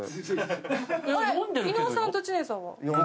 伊野尾さんと知念さんは？